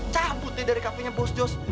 cabut nih dari kafenya bos jos